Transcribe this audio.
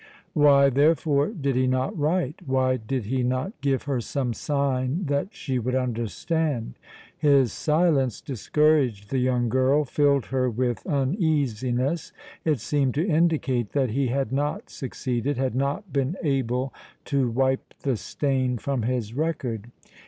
Why, therefore, did he not write, why did he not give her some sign that she would understand? His silence discouraged the young girl, filled her with uneasiness. It seemed to indicate that he had not succeeded, had not been able to wipe the stain from his record.